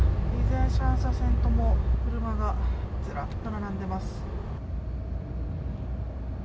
３車線とも車がずらっと並んでいます。